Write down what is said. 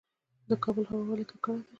د کابل هوا ولې ککړه ده؟